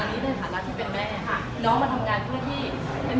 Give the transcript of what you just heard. อันนี้เป็นฐานลักษณ์ที่เป็นแม่เนี้ย